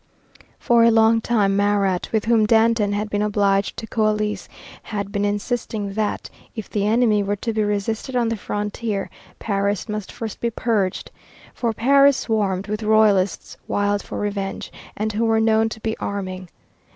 For a long time Marat, with whom Danton had been obliged to coalesce, had been insisting that, if the enemy were to be resisted on the frontier, Paris must first be purged, for Paris swarmed with Royalists wild for revenge, and who were known to be arming.